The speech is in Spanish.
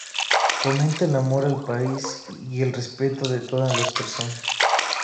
Fomenta el amor al país y el respeto de todas las personas.